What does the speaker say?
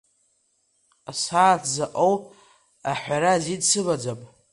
Асааҭ заҟоу аҳәара азин сымаӡам!